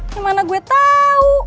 yang mana gue tau